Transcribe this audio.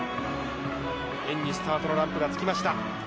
演技スタートのランプがつきました。